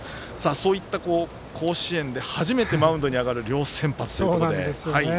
そういった甲子園で初めてマウンドに上がる両先発ということで。